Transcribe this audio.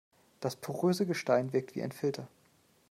Das poröse Gestein wirkt wie ein Filter.